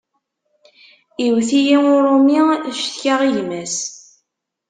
Iwwet-iyi uṛumi, cetkaɣ i gma-s.